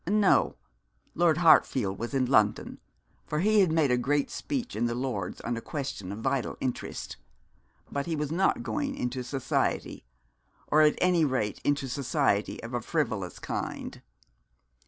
No. Lord Hartfield was in London, for he had made a great speech in the Lords on a question of vital interest; but he was not going into society, or at any rate into society of a frivolous kind.